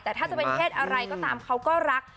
แต่ถ้าจะเป็นเพศอะไรก็ตามเขาก็รัก